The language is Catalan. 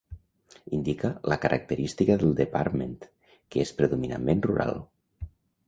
Indica la característica del "département", que és predominantment rural.